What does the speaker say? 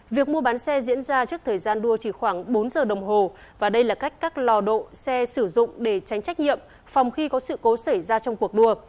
việc mua bán xe diễn ra trước thời gian đua chỉ khoảng bốn giờ đồng hồ và đây là cách các lò độ xe sử dụng để tránh trách nhiệm phòng khi có sự cố xảy ra trong cuộc đua